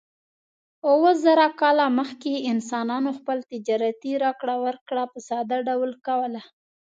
اووه زره کاله مخکې انسانانو خپل تجارتي راکړه ورکړه په ساده ډول کوله.